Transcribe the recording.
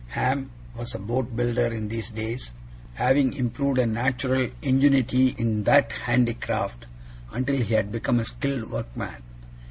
Ham was a boat builder in these days, having improved a natural ingenuity in that handicraft, until he had become a skilled workman.